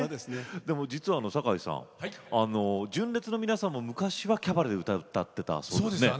でも実は酒井さんあの純烈の皆さんも昔はキャバレーで歌歌ってたそうですね。